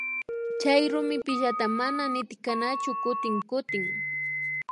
Chay rumipillataka nama nitkanachu kutin kutinka